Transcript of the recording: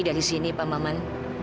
dari sini pak maman